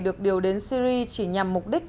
được điều đến syri chỉ nhằm mục đích